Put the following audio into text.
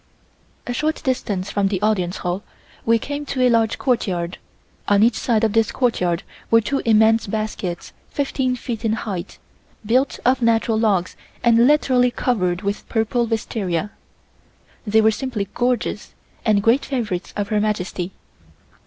A short distance from the Audience Hall we came to a large courtyard. On each side of this courtyard were two immense baskets fifteen feet in height, built of natural logs and literally covered with purple wisteria. They were simply gorgeous and great favorites of Her Majesty.